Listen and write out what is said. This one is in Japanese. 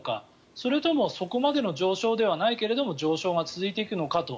それともそこまでの上昇ではないけれども上昇が続いていくのかと。